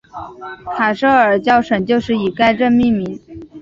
卡舍尔教省就是以该镇命名。